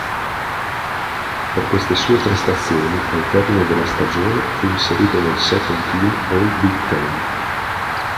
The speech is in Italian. Per queste sue prestazioni al termine della stagione fu inserito nel Second-team All-Big Ten.